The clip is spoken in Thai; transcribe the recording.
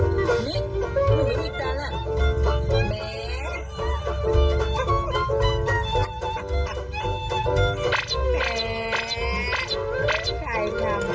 บ๊ายบายค่ะบ๊ายบาย